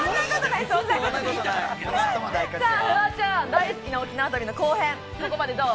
フワちゃん大好きな沖縄旅の後編、ここまでどう？